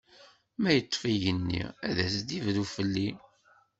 Ma yeṭṭef igenni, ad as-d-ibru fell-i!